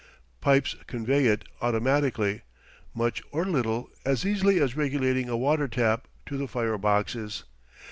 Pipes convey it automatically, much or little, as easily as regulating a water tap, to the fire boxes.